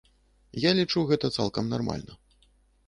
Я лічу, гэта цалкам нармальна.